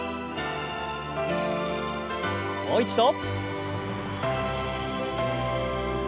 もう一度。